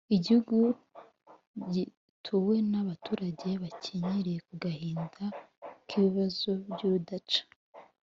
igihugu gituwe n’abaturage bakenyereye ku gahinda k’ibibazo by’urudaca